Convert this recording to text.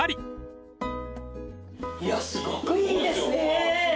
すごくいいですね。